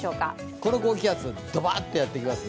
この高気圧、ドバッとやってきますね